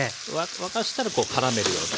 沸かしたらこうからめるように。